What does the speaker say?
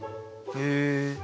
へえ。